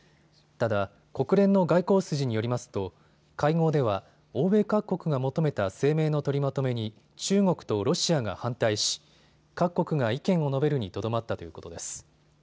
ただ、国連の外交筋によりますと会合では欧米各国が求めた声明の取りまとめに中国とロシアが反対し各国が意見を述べるにとどまったということです。